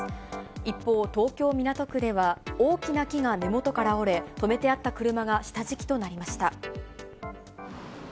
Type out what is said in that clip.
一方、東京・港区では、大きな木が根元から折れ、止めてあった車が下敷きとなりました。